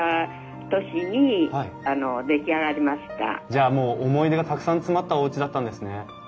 じゃあもう思い出がたくさん詰まったおうちだったんですね。